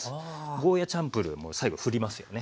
ゴーヤーチャンプルーも最後ふりますよね。